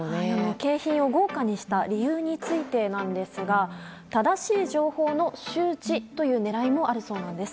景品を豪華にした理由についてですが正しい情報の周知という狙いもあるそうなんです。